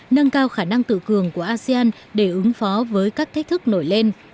nâng cao khả năng tự cường của asean để ứng phó với các thách thức nổi lên